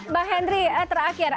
mbak henry terakhir